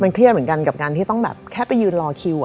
เครียดเหมือนกันกับการที่ต้องแบบแค่ไปยืนรอคิว